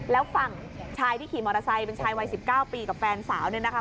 แล้วฝั่งชายที่ขี่มอเตอร์ไซค์เป็นชายวัย๑๙ปีกับแฟนสาวเนี่ยนะคะ